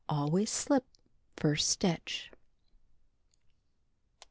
Always slip first stitch.